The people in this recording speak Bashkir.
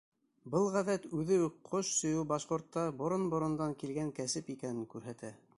Был ғәҙәт үҙе үк ҡош сөйөү башҡортта борон-борондан килгән кәсеп икәнен күрһәтә.